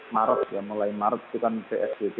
maret ya mulai maret itu kan psbb